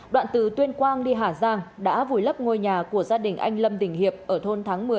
đoạn từ tuyên quang đi hà giang đã vùi lấp ngôi nhà của gia đình anh lâm đình hiệp ở thôn thắng một mươi